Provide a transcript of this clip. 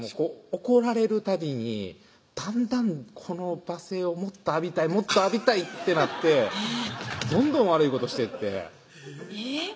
怒られるたびにだんだんこの罵声をもっと浴びたいもっと浴びたいってなってどんどん悪いことしてってえっ？